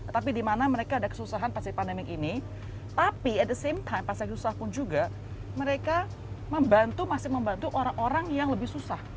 tapi dimana mereka ada kesusahan pas pandemi ini tapi at the same time pas yang susah pun juga mereka membantu orang orang yang lebih susah